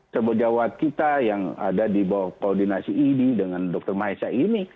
terbojawat kita yang ada di bawah koordinasi idi dengan dokter mahesha ini